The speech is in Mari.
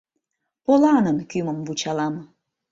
Поланын кÿмым вучалам.